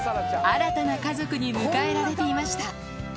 新たな家族に迎えられていました。